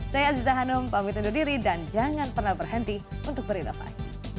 saya aziza hanum pamit undur diri dan jangan pernah berhenti untuk berinovasi